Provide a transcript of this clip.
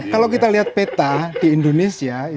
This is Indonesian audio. kalau kita lihat peta di indonesia